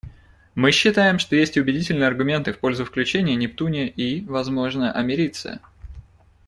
Мы считаем, что есть и убедительные аргументы в пользу включения нептуния и, возможно, америция.